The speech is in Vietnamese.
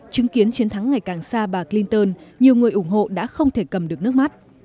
chứng kiến chiến thắng ngày càng xa bà clinton nhiều người ủng hộ đã không thể cầm được nước mắt